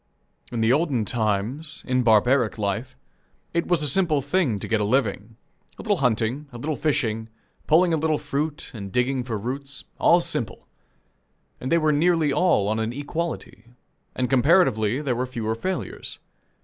In the olden times, in barbaric life, it was a simple' thing to get a living. A little hunting, a little fishing, pulling a little fruit, and digging for roots all simple; and they were nearly all on an equality, and comparatively there were fewer failures.